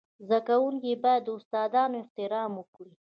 زده کوونکي باید د استادانو احترام وکړي.